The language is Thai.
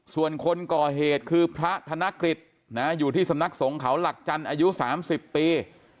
ส่วนคนก่อเหตุคือพระธนกฤษอยู่ที่สำนักสงฆ์เขาหลักจันทร์อายุ๓๐ปี